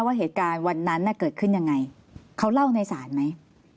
ว่าเหตุการณ์วันนั้นเกิดขึ้นยังไงเขาเล่าในศาลไหม